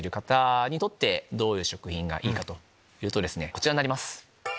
こちらになります。